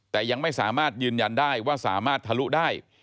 แต่ยังไม่สามารถยืนยันได้ว่าสามารถทะลุได้